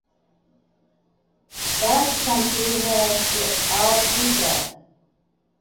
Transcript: Basque Country has the "alboka".